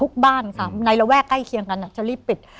ใกล้เคียงกันจะรีบปิด